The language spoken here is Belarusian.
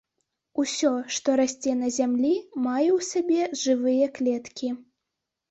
Усё, што расце на зямлі, мае ў сабе жывыя клеткі.